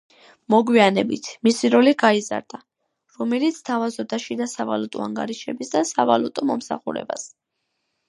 მოგვიანებით, მისი როლი გაიზარდა, რომელიც თავაზობდა შიდა სავალუტო ანგარიშების და სავალუტო მომსახურებას.